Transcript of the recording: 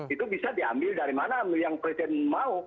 itu bisa diambil dari mana yang presiden mau